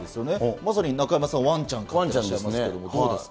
まさに中山さん、ワンちゃん飼われてますけれども、どうですか？